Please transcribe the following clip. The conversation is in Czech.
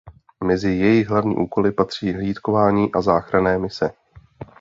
Mezi jejich hlavní úkoly patří hlídkování a záchranné mise.